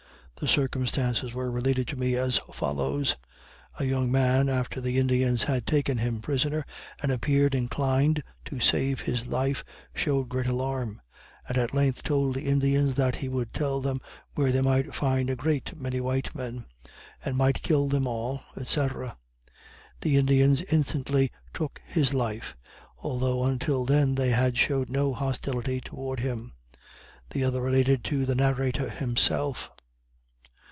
The circumstances were related to me as follows: A young man after the Indians had taken him prisoner, and appeared inclined to save his life, showed great alarm, and at length told the Indians that he would tell them where they might find a great many white men, and might kill them all, &c. The Indians instantly took his life, although until then they had showed no hostility toward him. The other related to the narrator himself.